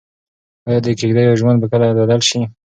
ايا د کيږديو ژوند به کله بدل شي؟